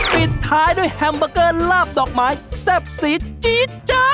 ปิดท้ายด้วยแฮมเบอร์เกอร์ลาบดอกไม้แซ่บสีจี๊ดจ๊ะ